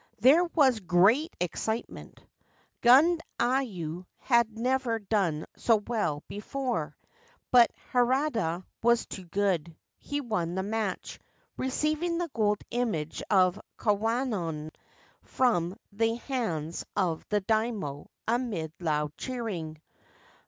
There was great excite ment. Gundayu had never done so well before ; but Harada was too good. He won the match, receiving the gold image of Kwannon from the hands of the Daimio amid loud cheering.